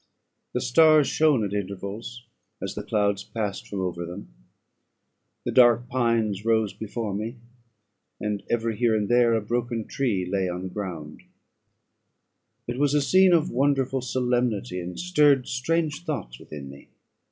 The stars shone at intervals, as the clouds passed from over them; the dark pines rose before me, and every here and there a broken tree lay on the ground: it was a scene of wonderful solemnity, and stirred strange thoughts within me.